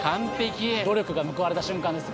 努力が報われた瞬間です